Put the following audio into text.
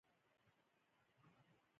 هغوی به کله راشي؟